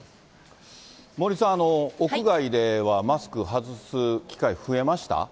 森さん、屋外ではマスク外す機会増えました？